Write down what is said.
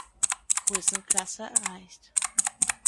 Größenklasse erreicht.